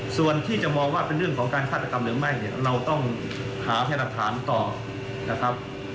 ส่วนที่จะมองว่าเป็นเรื่องของการฆาตกรรมหรือไม่เนี่ยเราต้องหาพยาหลักฐานต่อนะครับ